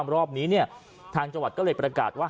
รอบนี้ทางจังหวัดก็เลยประกาศว่า